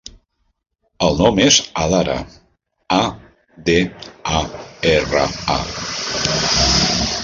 El nom és Adara: a, de, a, erra, a.